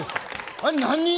あれ何？